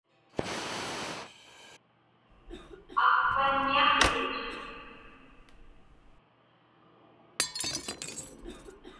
Aqpanniaqpich?